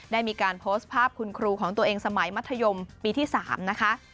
ได้มีการโพสต์ภาพคุณครูของตัวเองสมัยมัธยมปีที่๓นะคะ